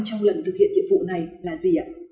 trong lần thực hiện nhiệm vụ này là gì ạ